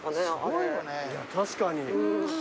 いや確かに。